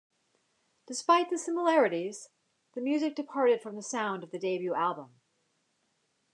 Despite the similarities, the music departed from the sound of the debut album.